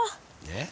えっ？